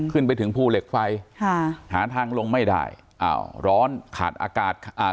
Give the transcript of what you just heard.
ขึ้นไปถึงภูเหล็กไฟค่ะหาทางลงไม่ได้อ้าวร้อนขาดอากาศอ่า